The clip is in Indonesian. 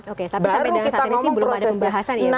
oke tapi sampai dalam saat ini belum ada pembahasan ya